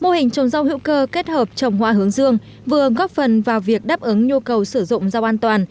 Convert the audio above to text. mô hình trồng rau hữu cơ kết hợp trồng hoa hướng dương vừa góp phần vào việc đáp ứng nhu cầu sử dụng rau an toàn